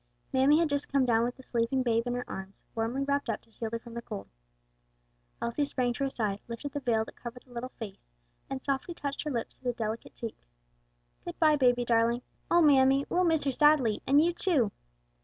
Mammy had just come down with the sleeping babe in her arms, warmly wrapped up to shield her from the cold. Elsie sprang to her side, lifted the veil that covered the little face, and softly touched her lips to the delicate cheek. "Good bye, baby darling. Oh, mammy, we'll miss her sadly and you too."